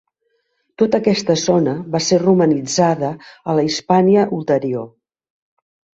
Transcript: Tota aquesta zona va ser romanitzada a la Hispània Ulterior.